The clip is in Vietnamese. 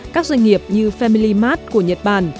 các doanh nghiệp như family mart của nhật bản